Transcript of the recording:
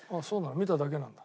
見ただけなんだ。